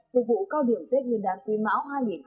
phục vụ cao đường tết nguyên đán quy mão hai nghìn hai mươi ba